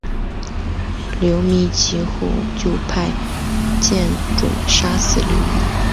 刘粲及后就派靳准杀死刘乂。